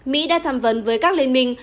mỹ đã tham vấn với các liên minh